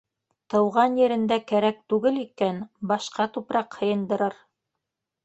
Тыуған ерендә кәрәк түгел икән, башҡа тупраҡ һыйындырыр.